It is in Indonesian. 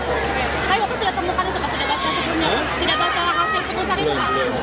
sudah baca hasil putusan itu pak